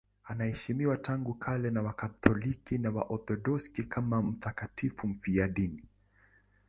Anaheshimiwa tangu kale na Wakatoliki na Waorthodoksi kama mtakatifu mfiadini.